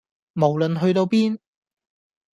無論去到邊